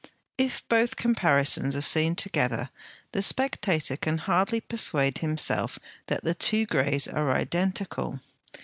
If both comparisons are seen together the spectator can hardly persuade himself that the two greys are identical.